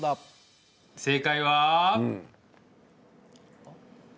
正解は。